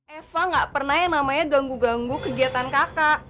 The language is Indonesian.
ewa gak pernah yang namanya ganggu ganggu kegiatan kakak